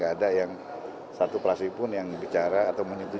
nggak ada yang satu prasipun yang bicara atau menyetujui ya